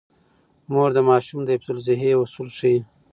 مور د ماشوم د حفظ الصحې اصول ښيي.